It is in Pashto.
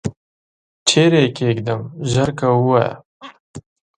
چیري یې کښېږدم ؟ ژر کوه ووایه !